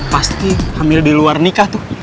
pasti hamil di luar nikah tuh